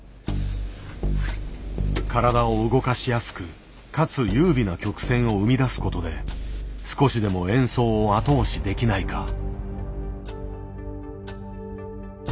体を動かしやすくかつ優美な曲線を生み出すことで少しでも演奏を後押しできないか。